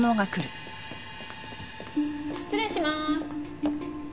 失礼しまーす。